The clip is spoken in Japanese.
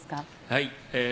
はい。